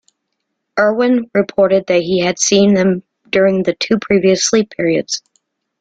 Irwin reported that he had seen them during the two previous sleep periods.